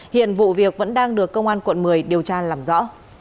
hiện vụ việc vẫn đang được công an quận một mươi điều tra làm rõ